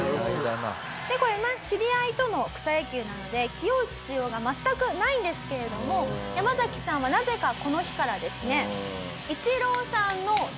でこれまあ知り合いとの草野球なので気負う必要が全くないんですけれどもヤマザキさんはなぜかこの日からですね。